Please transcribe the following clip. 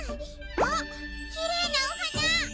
あっきれいなおはな！